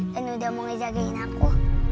dan sudah mengejagain aku